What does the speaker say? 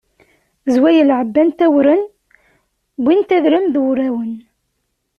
Zwayel ɛebbant awren, wwint adrim d wurawen.